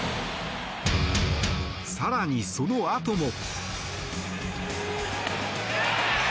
更に、そのあとも。